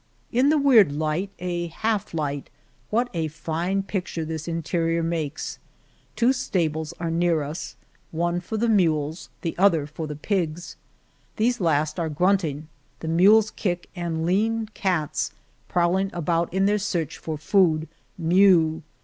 In the weird light — a half light — what a fine picture this interior makes ! Two stables are near us — one for the mules, the other for the pigs. These last are grunting, the mules kick, and lean cats, prowling about in their search for food, mew.